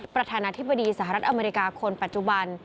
ประธานาธิบดีสหรัฐอเมริกาคนปัจจุบัน